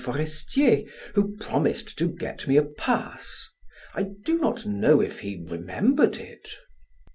Forestier, who promised to get me a pass. I do not know if he remembered it."